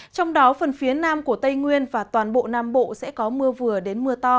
trong đó phần phía nam của tây nguyên và toàn bộ nam bộ sẽ có mưa vừa đến mưa to